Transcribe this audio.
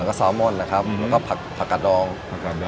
แล้วก็ซาวมอนนะครับอืมแล้วก็ผักผักกัดดองผักกัดดอง